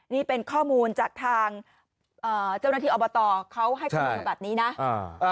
นี่เป็นข้อมูลจากทางเจ้าหน้าที่อบตเขาให้ข้อมูลมาแบบนี้นะ